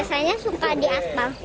biasanya suka di aspa